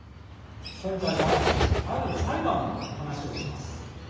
今回は、ある裁判の話をします。